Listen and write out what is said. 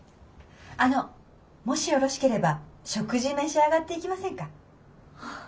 あのもしよろしければ食事召し上がっていきませんか？